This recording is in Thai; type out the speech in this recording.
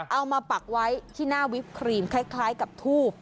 เอามาปักไว้ที่หน้าวิฟท์ครีมคล้ายกับทูพ